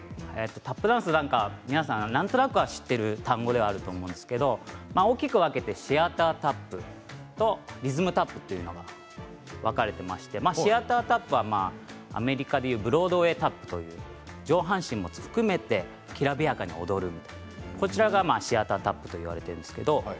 タップダンス、皆さんなんとなく知っている単語だと思うんですけれども大きく分けてシアタータップとリズムタップと分かれていましてシアタータップはアメリカでいうブロードウェイタップという上半身も含めてきらびやかに踊るみたいなこちらがシアタータップといわれているんですけれど。